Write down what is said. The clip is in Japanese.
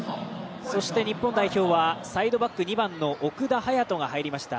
そして日本代表はサイドバック２番の奥田勇斗が入りました。